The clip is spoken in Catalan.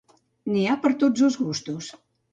N'hi ha per a tots els gustos.